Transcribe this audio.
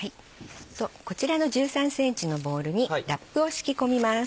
こちらの１３ｃｍのボウルにラップを敷き込みます。